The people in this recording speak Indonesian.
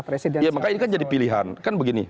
presiden ya makanya ini kan jadi pilihan kan begini